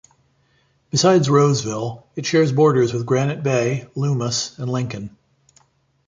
Besides Roseville, it shares borders with Granite Bay, Loomis and Lincoln.